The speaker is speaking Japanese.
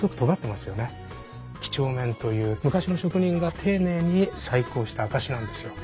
几帳面という昔の職人が丁寧に細工をした証しなんですよ。